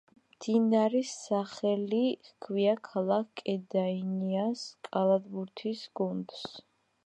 მდინარის სახელი ჰქვია ქალაქ კედაინიაის კალათბურთის გუნდს.